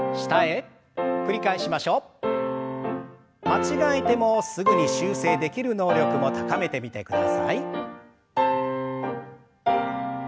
間違えてもすぐに修正できる能力も高めてみてください。